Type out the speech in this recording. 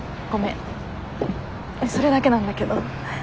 それだけなんだけど。